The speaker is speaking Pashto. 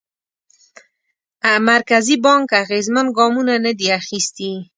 مرکزي بانک اغېزمن ګامونه ندي اخیستي.